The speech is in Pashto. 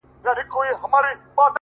خو چي تر کومه به تور سترگي مینه واله یې،